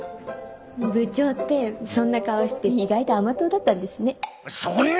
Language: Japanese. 部長ってそんな顔して意外と甘党だったんですね。